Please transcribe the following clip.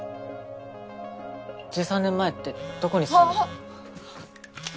１３年前ってどこに住んで。